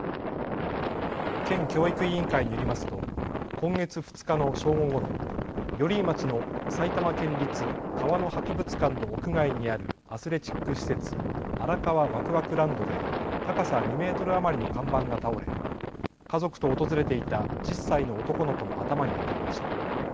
県教育委員会によりますと今月２日の正午ごろ、寄居町の埼玉県立川の博物館の屋外にあるアスレチック施設、荒川わくわくランドで高さ２メートル余りの看板が倒れ家族と訪れていた１０歳の男の子の頭に当たりました。